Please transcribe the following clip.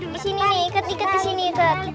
disini nih iket iket disini iket